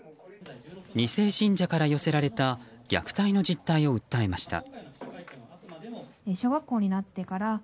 ２世信者から寄せられた虐待の実態を訴えました。